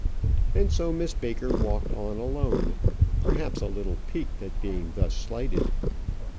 And so Miss Baker walked on alone, perhaps a little piqued at being thus slighted.